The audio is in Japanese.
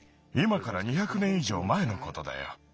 いまから２００年い上まえのことだよ。